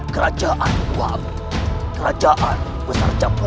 kerajaan ibuamu kerajaan besar jampung